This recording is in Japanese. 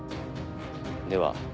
では